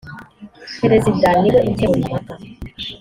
perezida niwe ukemura impaka